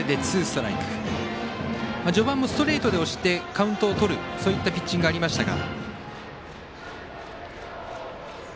序盤もストレートで押してカウントをとるピッチングもありましたが。